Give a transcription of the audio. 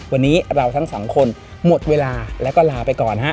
วันนี้เราทั้งสองคนหมดเวลาแล้วก็ลาไปก่อนฮะ